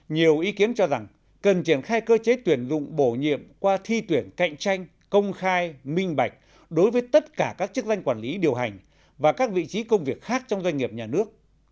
nhiều ý kiến cho rằng cần triển khai cơ chế tuyển dụng bổ nhiệm qua thi tuyển cạnh tranh công khai minh bạch đối với tất cả các chức danh quản lý điều hành và các vị trí công việc khác trong doanh nghiệp nhà nước